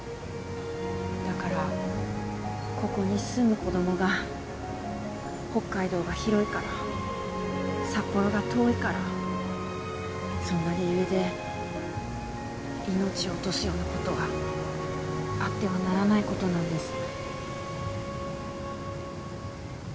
だからここに住む子供が北海道が広いから札幌が遠いからそんな理由で命を落とすようなことはあってはならないことなんです。